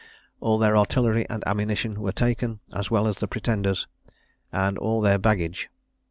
All their artillery and ammunition were taken, as well as the Pretender's, and all their baggage.